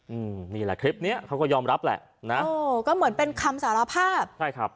อืมนี่แหละคลิปเนี้ยเขาก็ยอมรับแหละนะโอ้ก็เหมือนเป็นคำสารภาพใช่ครับ